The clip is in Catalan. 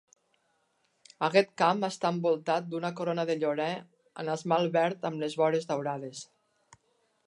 Aquest camp està envoltat d'una corona de llorer en esmalt verd, amb les vores daurades.